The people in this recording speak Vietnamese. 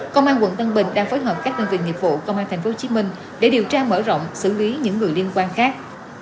công an quận tân bình đang phối hợp các đơn vị nghiệp vụ công an tp hcm để điều tra mở rộng xử lý những người liên quan khác